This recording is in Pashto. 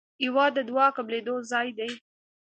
هېواد د دعا قبلېدو ځای دی.